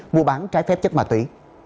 mua bán trái phép chất ma túy